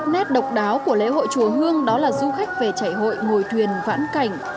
nét độc đáo của lễ hội chùa hương đó là du khách về chảy hội ngồi thuyền vãn cảnh